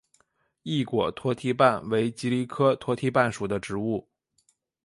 翼果驼蹄瓣为蒺藜科驼蹄瓣属的植物。